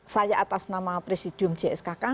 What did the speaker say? saya atas nama presidium cskk